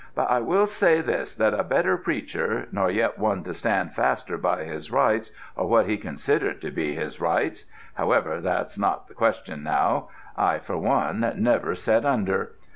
"But I will say this, that a better preacher, nor yet one to stand faster by his rights, or what he considered to be his rights however, that's not the question now I for one, never set under.